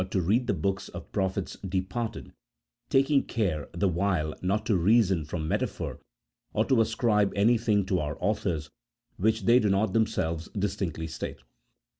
15 to read the books of prophets departed, taking care the while not to reason from metaphor or to ascribe anything to our authors which they do not themselves distinctly state.